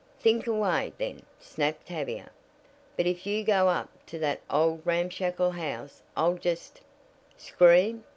"Think away, then," snapped Tavia, "but if you go up to that old ramshackle house I'll just " "Scream!